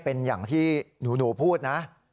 เป็นอย่างที่หนูพูดนะ